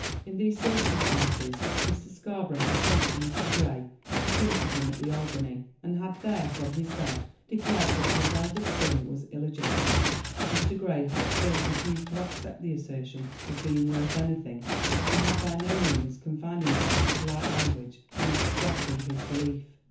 In these circumstances Mr. Scarborough had sent for Mr. Grey to come to him at the Albany, and had there, from his bed, declared that his eldest son was illegitimate. Mr. Grey had at first refused to accept the assertion as being worth anything, and had by no means confined himself to polite language in expressing his belief.